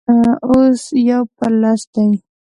اوس يو پر لس دی.